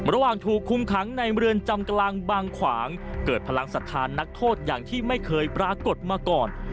ระหว่างถูกคุมขังในเมืองจำกลางบางขวางเกิดพลังศรัทธานักโทษอย่างที่ไม่เคยปรากฏมาก่อน